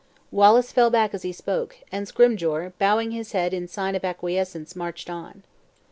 Wallace fell back as he spoke, and Scrymgeour, bowing his head in sign of acquiescence marched on.